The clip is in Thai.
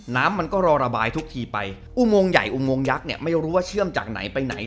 น้ำมันก็รอระบายทุกทีไปอุโมงใหญ่อุโมงยักษ์เนี่ยไม่รู้ว่าเชื่อมจากไหนไปไหน